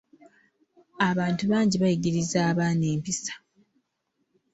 Abantu bangi bayigiriza abaana empisa.